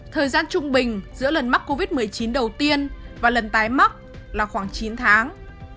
thời gian trung bình giữa lần mắc covid một mươi chín đầu tiên và lần tái mắc là khoảng chín tháng